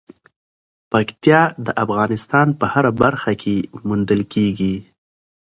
پکتیا د افغانستان په هره برخه کې موندل کېږي.